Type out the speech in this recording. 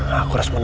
gak ada apa apa